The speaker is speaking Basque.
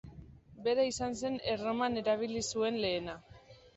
Bera izan zen Erroman erabili zuen lehena.